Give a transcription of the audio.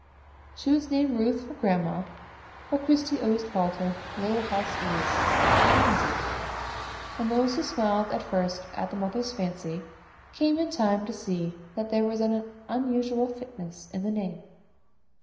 She was named Ruth for grandma, but Christie always called her "Little Heart's ease," or "Pansy," and those who smiled at first at the mother's fancy, came in time to see that there was an unusual fitness in the name.